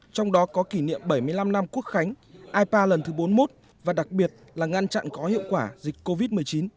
trong đó có kỷ niệm bảy mươi năm năm quốc khánh ipa lần thứ bốn mươi một và đặc biệt là ngăn chặn có hiệu quả dịch covid một mươi chín